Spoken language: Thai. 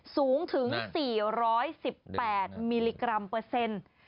สูงถึง๔๑๘มิลลิกรัมเปอร์เซ็นต์